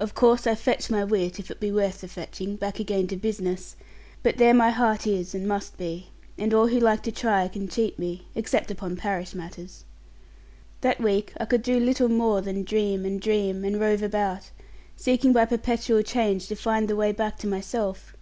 Of course, I fetch my wit, if it be worth the fetching, back again to business. But there my heart is and must be; and all who like to try can cheat me, except upon parish matters. That week I could do little more than dream and dream and rove about, seeking by perpetual change to find the way back to myself.